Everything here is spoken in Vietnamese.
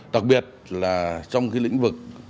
đặc biệt là trong lĩnh vực